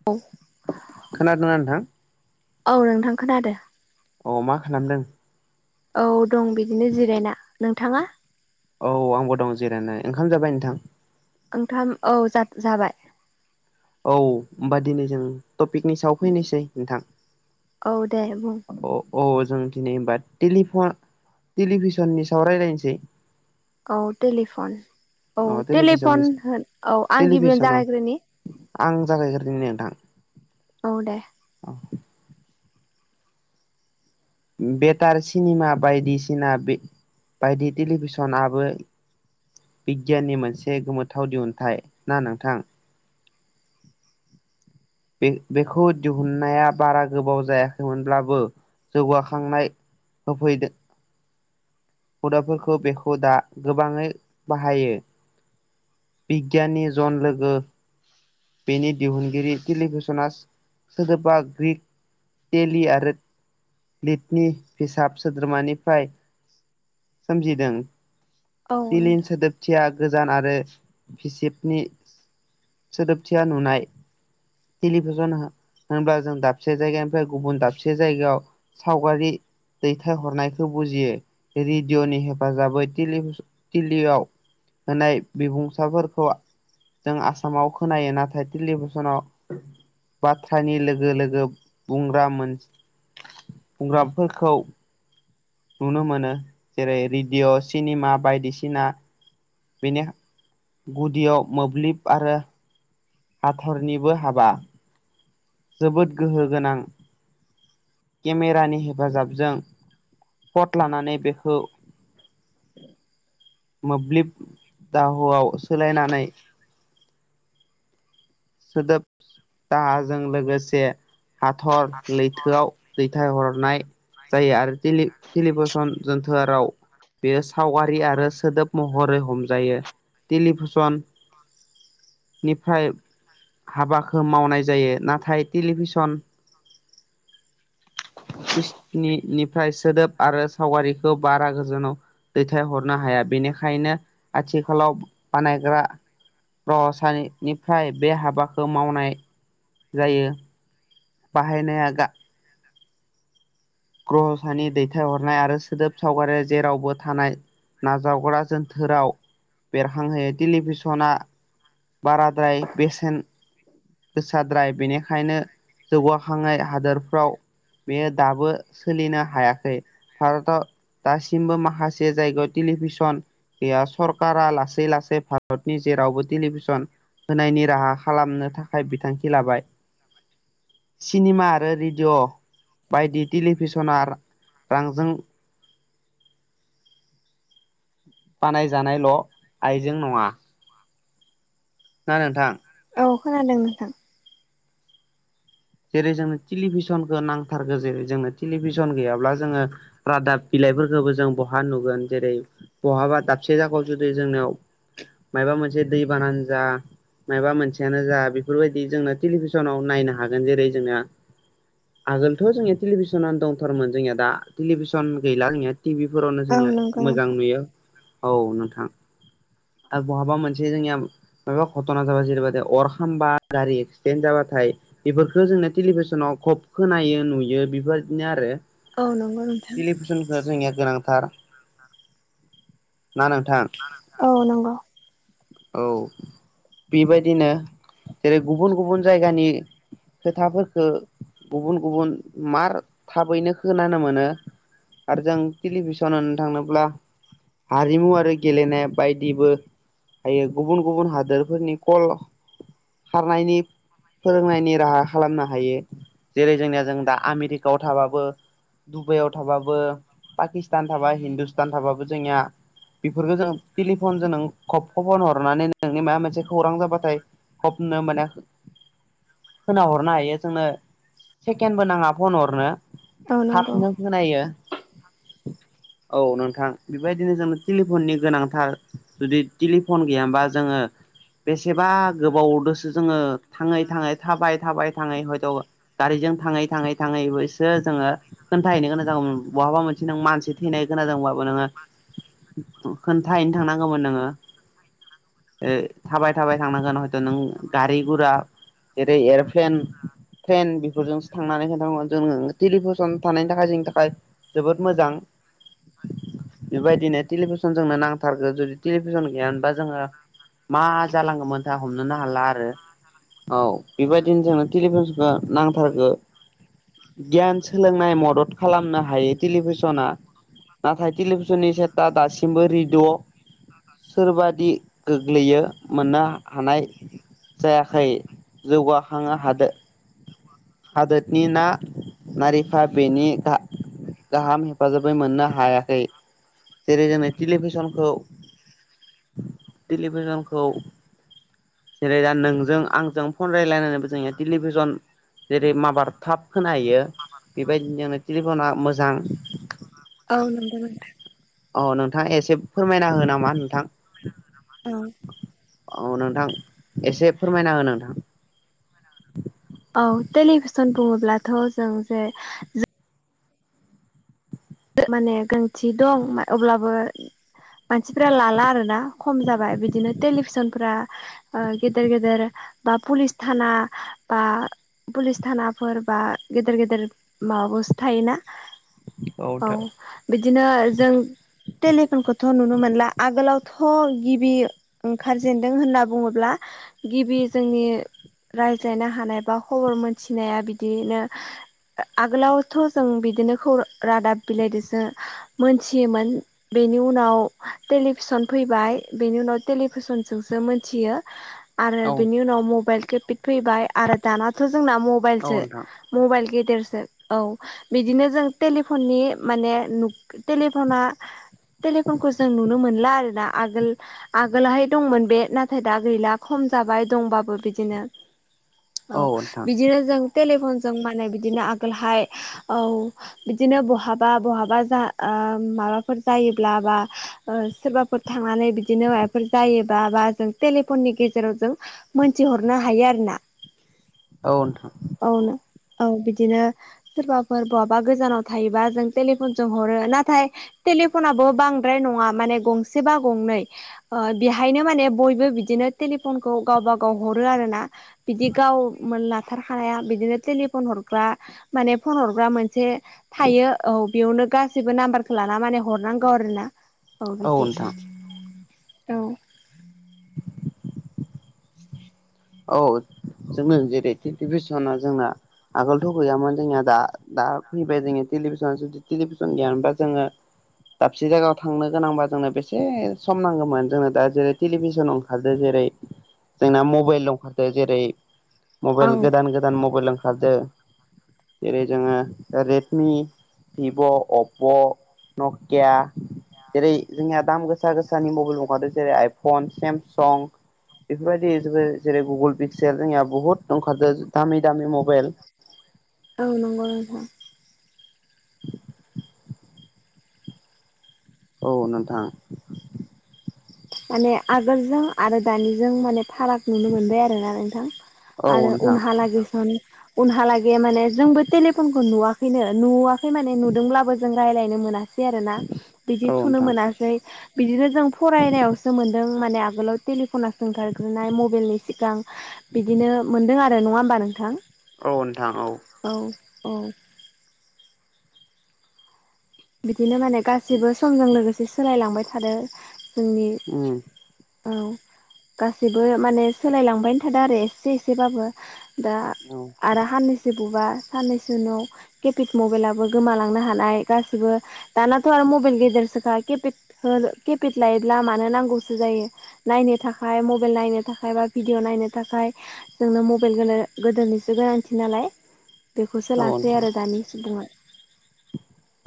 [unintelligible] खोनादोंना नोंथां? औ नोंथां खोनादो। अ मा खालामदों? औ दं बिदिनो जिरायना नोंथाङा? औ आंबो दं जिरायनो ओंखाम जाबाय नोंथां? ओंथाम औ जा-जाबाय? औ होनोमबा दिनै जों टपिकनि सायाव फैनोसै नोंथां। औ दे बुं औ अ जों दिनै हबा टेलि फ टेलिभिसननि सायाव रायजलायनोसै औ टेलिफन औ अ टेलिभिसननि टेलिफन होन औ आं गिबियावनो टेलिभिसनाव जागायग्रोनि आं जागायग्रदों नोंथां। औ दे। बेटार सिनेमा बायदिसिना बे बायदि टेलिभिसनाबो बिगियाननि मोनसे गोमोथाव दिहुनथाइ ना नोंथां। बे बेखौ दिहुननाया बारा गोबाव जायाखैमोनब्लाबो जौगाखांनाय होफैदो हुदाफोरखौ बेखौ दा गोबाङै बाहायो बिग्यानि जन लोगो बेनि दिहुनगिरि टेलिभिसना सोदोबा ग्रिक टेलि आरो लिटनि फिसाब सोद्रोमानिफ्राय सोमजिदों। औ बिलिन नोंथां सोदोबथिया गोजान आरो भिसिबनि सोदोबथिया नुनाय टेलिभिसन होनोब्ला जों दाबसे जायगानिफ्राय गुबुन दाबसे जायगायाव सावगारि दैथायहरनायखौ बुजियो रेडिअ'नि हेफाजाबै टिलि टिेलिआव होनाय बिबुंसाफोरखौ जों आसामाव खोनायो नाथाय टेलिभिसनाव बाथ्रानि लोगो लोगो बुंग्रा मोन बुंग्राफोरखौ नुनो मोनो जेरै रेडिअ' सिनेमा बायदिसिना बेनि गुदियाव मोब्लिब आरो हाथरनिबो हाबा जोबोद गोहोगोनां केमेरानि हेफाजाबजों पट लानानै बेखौ मोब्लिब दाहुआव सोलायनानै सोदोब दाहाजों लोगोसे हाथर लैथोआव दैथायहरनाय जायो आरो टेलि-टेलिभिसन जोनथोआ राव बेयो सावगारि आरो सोदोब महरै हमजायो टेलिभिसन निफाय हाबाखौ मावनाय जायो नाथाय टेलिभिसन [unintelligible] निफ्राय सोदोब आरो सावगारिखौ बारा गो जाव दैथायहरनो हाया बेनिखायनो आथिखालाव बानायग्रा [unintelligible] निफ्राय बे हाबाखौ मावनाय जायो। बाहायनाया गा ग्रह'सानि दैथायहरनाय आरो सोदोब सावगारिया जेरावबो थानाय नाजावग्रा जोनथोराव बेरहांहोयो टेलिभिसना बारााद्राय बेसेन गोसाद्राय बेनिखायनो जौगाखांनाय हादोरफ्राव बेयो दाबो सोलिनो हायाखै भारताव दासिमबो माखासे जायगायाव टेलिभिसन बे सरकारा लासै लासै भारतनि जेरावबो टेलिभिसन होनायनि राहा खालामनो थाखाय बिथांखि लाबाय सिनेमा आरो रेडिय' बायदि टेलिभिसना रांजों बानायजानायल' आइजें नङा। ना नोंथां। औ खोनादों नोंथां। जेरै जोंनो टेलिभिसनखौ नांथारगो जेरै जोंनो टेलिभिसन गैयाब्ला जोङो रादाब बिलाइफोरखौबो जों बहा नुगोन जेरै बहाबा दाबसे जाखायाव जुदि जोंनियाव मायबा मोनसे दै बानानो जा माबा मोनसेयानो जा बेफोरबायदि जोंना टेलिभिसनाव नायनो हागोन जेरै जोंना आगोलथ' जोंनिया टेलिभिसनानो दंथारमोन जोंनिया दा टेलिभिसन गैला [unintelligible] टिभि फोरावनो औ जोंनि नंगौ मोजां नोंथां नुयो औ नोंथां। आरो बहाबा मोनसे जोंनिया मायबा घथना जाबा जेरैबायदि अर खामबा गारि एक्सिडेन्ट जाबाथाय बेफोरखौो जोंनो टेलिभिसनाव खब खोनायो नुयो बेफोरबादिनो आरो औ नंगौ नोंथां। [inaudible] जोंनिया गोनांथार ना नोंथां औ नंगौ औ बेबायदिनो जेरै गुबुन गुबुन जायगानि खोथाफोरखो गुबुन गुबुन मार थाबैनो खोनानो मोनो आरो जों टेलिभिसन होन थांनोब्ला हारिमु आरो गेलेनाय बायदिबो हायो गुबुन गुबुन हादोरफोरनि कल खारनायनि फोरोंनायनि राहा खालामनो हायो जेरै जोंनिया जों दा आमेरिकायाव थाबाबो डुबाइयाव थाबाबो पाकिस्तान थाबा हिन्दुस्तान थाबाबो जोंनिया बेफोरखौ जों टेलिफन जों नों खब खबर रनानै नोंनि माबा मोनसे खौरां जाबाथाय खबनो माने खाो हरनो हायो जोंनो सेकेन्डबो नाङा फन हरनो औ नंगौ थाबनो होनायो औ नोंथां बेबायदिनो जोंनो टेलिफननि गोनांथार जुदि टेलिफन गैयामोनबा जोङो बेसेबा गोबावदसो जोङो थाङै थाङै थाबायै थाबाय थाङै हयथ' गारिजों थाङै थाङै थाङै बसो जोङो खोन्थाहैनो गोनां जागौमोन बहाबा मोनसे नों मानसि थैनाय खोनादोंबाबो नोङो खोन्थाहैनो थांनांगौमोन नोङो थाबाय थाबाय थांनांगोन हयथ' नों गारि गुरा जेरै एयारफ्लेन ट्रेन बेफोरजोंसो थांनानै खिन्थायोमोन जोंङो टेलिभिसन थानायनि थाखाय जोंनि थाखाय जोबोद मोजां बेबायदिनो टेलिभिसन जोंनो नांथारगो जुदि टेलिभिसन गैया मोनबा जोङो मा जालांगौमोनथा हमनोनो हाला आरो औ बेबायदिनो जोंनो टेलिभनखो नांथारगो गियान सोलोंनाय मदद खालामनो हायो टेलिभिसना। नाथाय टेलिभिसननि सेटा दासिमबो रेडिअ' सोरबादि गोग्लैयो मोननो हानाय जायाखै जौगाखांनो हादो हादोतनि ना नारिखा बेनि दा गाहाम हेफाजाबै मोननो हायाखै जेरै जोङो टेलिभिसनखौ टेलिभिजनखौ जेरै दा नोंजों आंजों फन रायजलायनानैबो जोंङो टेलिभिजन जेरै माबार थाब खोनाहैयो बेबायदिनो टेलिफना मोजां औ नंगौ नोंथां औ नोंथाङा एसे फोरमायना हो नामा नोंथां औ औ नोंथां एसे फोरमायना हो नोंथां औ टेलिभिसन बुङोब्लाथ' जों जे माने गोनांथि दं अब्लाबो मानसिफ्रा लाला आरो ना खम जाबाय बिदिनो टेलिभिसनफ्रा ओ गेदेर गेदेर बा पुलिस थाना बा पुलिस थानाफोर बा गेदेर गेदेर माबायावसो थायोना औ बिदिनो जों टेलिफनखौथ' नुनो मोनला आगोलावथ' गिबि ओंखारजेनदों होनना बुङोब्ला गिबि जोंनि रायज्लायनो हानाय बा खबर मोनथिनाया बिदिनो ओ आगोलावथ' जों बिदिनो खौ रादाब बिलाइजोंसो मोनथियोमोन। बेनि उनाव टेलिभिसन फैबाय बेनि उनाव टेलिभिसनजोंसो मोनथियो। [inaudible] आरो बिनि उनाव मबाइल केेपिक फैबाय आरो दानाथ' जोंना औ मबाइलसो नोंथां मबाइल गेदेरसो औ बिदिनो जों टेलिफननि माने टेलिफना टेलिफनखौ जों नुनो मोनला आरोना आगोल आगोलहाय दंमोन बे नाथाय दा गैला खम जाबाय दंबाबो बिदिनो औ बिदिनो जों टेलिफनजों माने बिदिनो आगोलहाय औ बिदिनो बहाब बा बहाबा जा ओ माबाफोर जायोब्ला बा ओ सोरबाफोर थांनानै बिदिनो माबाफोर जायोबा बा जों टेलिफननि गेजेराव जों मोनथिहरनो हायो आरोना औ नोंथां। औनो औ बिदिनो सोरबाफोर बहाबा गोजानाव थायोबा जों टेलिफन जों हरो नाथाय टेलिफनाबो बांद्राय नङा माने गंसे बा गंनै ओ बेहायनो माने बयबो बिदिनो टेलिफनखौ गावब गाव हरो आरोना। बिदि गावमोन लाथारखाया बिदिनो टेलिफन हरग्रा माने फन हरग्रा मोनसे थायो। औ बेयावनो गासैबो नाम्बारखौ लाना माने हरनांगौ आरो ना औ बिदि। औ। [unintelligible] [unintelligible] औ जोंनो जेरै लिभिसना जोंना आगोलथ' गैयामोन जोंनिया दा दा फैबाय जोङो टेलिभिसन जुदि टेलिभिसन गियानबा जोङो दाबसे जायगायाव थांनो गोनांबा जोंनो बेसे सम नांगौमोन जोंनो दा जेरै लिभिसनआव हादो जेरै जोंना मबाइलआव ओंखारदो जेरै मबाइल गोदान गोदान मबाइल ओंखारदो। जेरै जोङो रेडमि भिभ' अप' नकिया जेरै जोंनिया दाम गोसा गोसानि मबाइल बो ओंखादों जेरै आइफन सेमसं बेफोरबायदि ज जेरै गुगोल पिक्सिल जोंनिया बुहुत खारादो दामि दामि मबाइल आं नंगौ नोंथां। [inaudible] औ नोंथां। माने आगोलजों आरो दानिजों माने फाराग नुनो मोनबाय आरोना नोंथां औ आरो नोंथां उनहालागै सम उनहालागै माने जोंबो टेलिफनखौ नुवाखैनो नुवाखै माने नुदोंब्लाबो जों रायज्लायनो मोनाखै खै आरोना बिदि औ थुनो नोंथां मोनै बिदिनो जों फरायनायाव सो मोन्दों माने आगोलाव टेलिफना सोंथारग्रोनाय मबाइलनि सिगां बिदिनो मोनदों आरो नङा होमबा नोंथां? औ नोंथां औ। औ औ। बिदिनो माने गासैबो समजों लोगोसे सोलायलांबाय थादो जोंनि उम। औ। गासैबो माने सोलायलांबायानो थादों आरो एसे एसेबाबो दा औ। आरो साननैसो बुबा साननैसो उनाव केपिड मबाइलाबो गोमालांनो हानाय गासै बो दानाथ' आरो मबाइल गेदेरसोखा किपेड ओ केपिटेलायो लामानो नांगौसो जायो। नायनो थाखाय मबाइल नायनो थाखाय बा भिडिअ नायनो थाखाय जोंनो मबाइल ग गोदोनिसो गोनांथि नालाय बेखौसो लासै नोंथां आरो दानि सुबुङा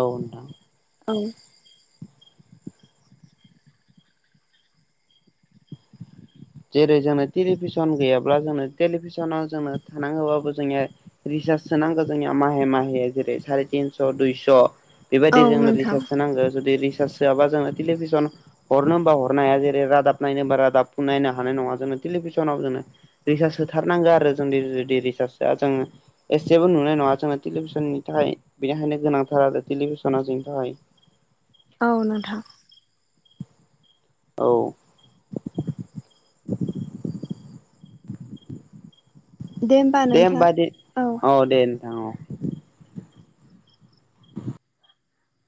औ नोंथां औ जेरै जों टेलिभिसन गैयाब्ला जों टेलिभिसनाव जोंनो थानांगोबाबो जोंनिया रिसार्जसो नांगौ जोंनिया माहे माहे जेरै साराय तिनस' दुइस' बेबायदि औ जोंनो नोंथां रिसार्चस नांगौ जुदि रिसार्च बा जोङो टेलिभिसन हरनो हबा हरनो हाया जेरै रादाब नायनो रादाबनायनो हाया थानाय नङा जों टेलिभिसनाव जोङो रिस्स होथारनांगो आरो जों जुदि रिसार्ज होआ जोङो एसेबो नुनाय नङा जोंङो टेलिभिसननि थाखाय बेनिखायनो गोनांथार आरो टेलिभिसना जोंनि थाखाय औ नोंथां। औ। दे होमबा दे औ दे। नोंथां औ